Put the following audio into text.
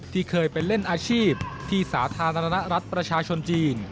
ที่เคยไปเล่นอาชีพที่สาธารณรัฐประชาชนจีน